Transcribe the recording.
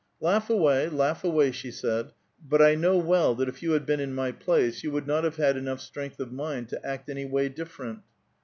'' Laugh away, laugh away," she said ;" but I know well that if you had been in my place, you would not have had enough strength of mind to act any way different."